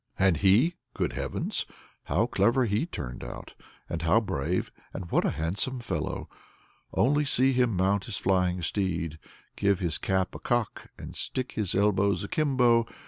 And he good heavens! how clever he turned out, and how brave, and what a handsome fellow! Only see him mount his flying steed, give his cap a cock, and stick his elbows akimbo!